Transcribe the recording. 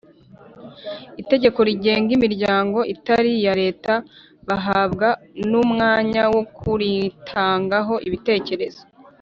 itegeko rigenga imiryango itari iya Leta bahabwa n umwanya wo kuritangaho ibitekerezo